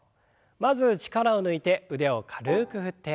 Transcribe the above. まず力を抜いて腕を軽く振って。